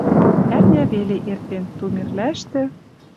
Ӓрня веле эртен, Тумерлӓштӹ